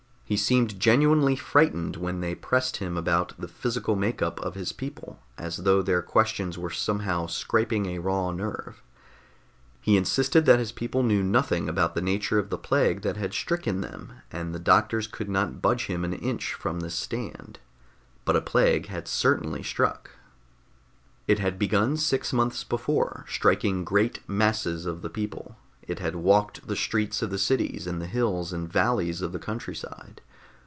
He seemed genuinely frightened when they pressed him about the physical make up of his people, as though their questions were somehow scraping a raw nerve. He insisted that his people knew nothing about the nature of the plague that had stricken them, and the doctors could not budge him an inch from his stand. But a plague had certainly struck. It had begun six months before, striking great masses of the people. It had walked the streets of the cities and the hills and valleys of the countryside.